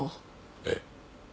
ええ。